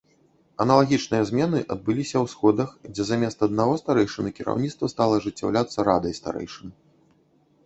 Аналагічныя змены адбыліся ў сходах, дзе замест аднаго старэйшыны кіраўніцтва стала ажыццяўляцца радай старэйшын.